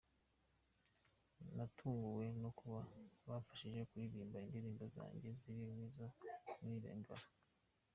Natunguwe no kuba bamfashije kuririmba indirimbo zanjye zirimo n’izo muri Lingala.